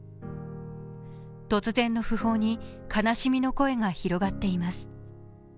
突然の訃報に悲しみの声が広がっています。